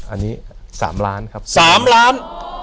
อันนี้๓ล้านครับ๓ล้าน